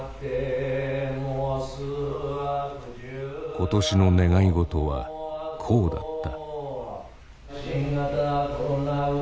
今年の願い事はこうだった。